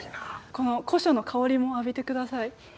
この古書の香りも浴びて下さい。